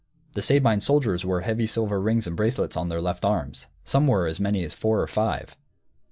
The Sabine soldiers wore heavy silver rings and bracelets on their left arms, some wore as many as four or five.